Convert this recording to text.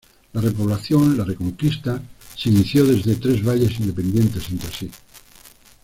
La repoblación, la Reconquista, se inició desde tres valles independientes entre sí.